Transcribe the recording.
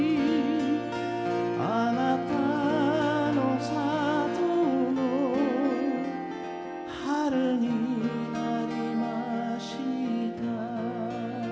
「あなたの里も春になりました」